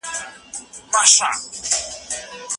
بریالي وه له دې فتحي یې زړه ښاد وو